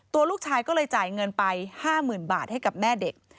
ตัวลูกชายก็เลยจ่ายเงินไป๕๐๐๐บาทให้กับแม่เด็ก